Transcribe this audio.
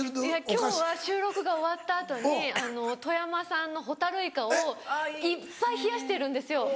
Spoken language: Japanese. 今日は収録が終わった後に富山産のホタルイカをいっぱい冷やしてるんですよ。